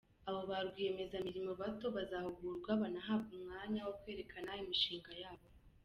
Abo ba rwiyemezamirimo bato bazahugurwa banahabwe umwanya wo kwerekana imishinga yabo.